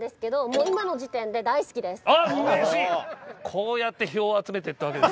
こうやって票を集めてったわけですね。